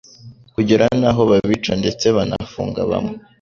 kugera n'aho babica ndetse banafunga bamwe